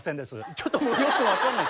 ちょっともうよく分かんない。